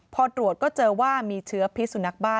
พอตรวจก็เจอว่ามีเชื้อพิสุนักบ้า